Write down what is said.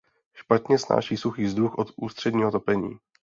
Špatně snáší suchý vzduch od ústředního topení.